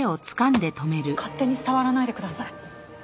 勝手に触らないでください。